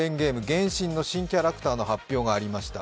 「原神」の新キャラクターの発表がありました。